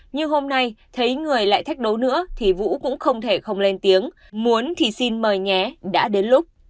như hôm nay thấy người lại thách đấu nữa thì vũ cũng không thể không lên tiếng muốn thì xin mời nhé đã đến lúc